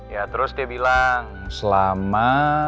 ya terus dia bilang selama